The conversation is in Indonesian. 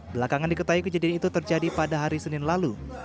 belakangan diketahui kejadian itu terjadi pada hari senin lalu